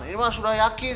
ini mah sudah yakin